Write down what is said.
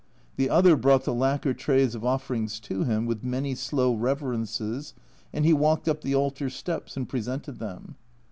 The other brought the lacquer trays of offerings to him, with many slow reverences, and he walked up the altar steps and presented them.